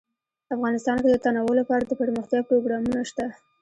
افغانستان کې د تنوع لپاره دپرمختیا پروګرامونه شته.